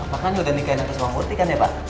pak bulu udah nikahin atas uang putih kan ya pak